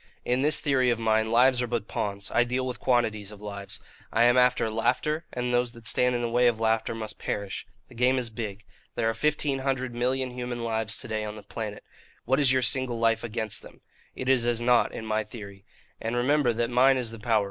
In this theory of mine, lives are but pawns; I deal with quantities of lives. I am after laughter, and those that stand in the way of laughter must perish. The game is big. There are fifteen hundred million human lives to day on the planet. What is your single life against them? It is as naught, in my theory. And remember that mine is the power.